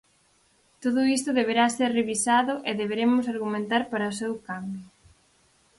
Todo isto deberá ser revisado e deberemos argumentar para o seu cambio.